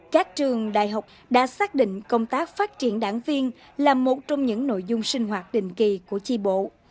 các trường đại học đã xác định công tác phát triển đảng viên là một trong những nội dung sinh hoạt định kỳ của chi bộ